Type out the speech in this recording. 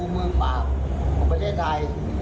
มึงฝังประเทศไทย